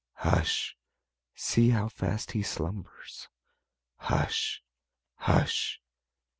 Hush! see how fast He slumbers; Hush! Hush!